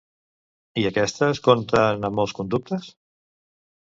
I aquestes compten amb molts conductes?